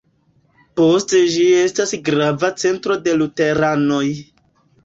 Poste ĝi estis grava centro de luteranoj.